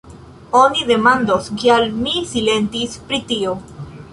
Oni demandos, kial mi silentis pri tio.